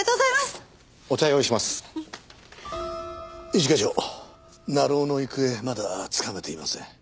一課長鳴尾の行方まだつかめていません。